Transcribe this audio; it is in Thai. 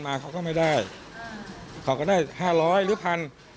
มันก็๒ล้าน๔ล้าน